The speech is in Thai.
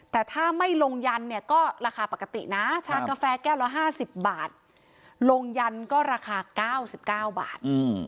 แต่ถ้าไม่ลงยันเนี่ยก็ราคาปกตินะชากาแฟแก้วละ๕๐บาทลงยันก็ราคา๙๙บาท